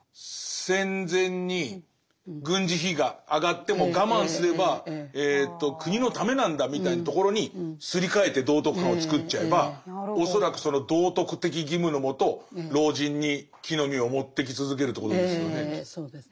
戦前に軍事費が上がっても我慢すれば国のためなんだみたいなところにすり替えて道徳観を作っちゃえば恐らくその道徳的義務の下老人に木の実を持ってき続けるということですよね。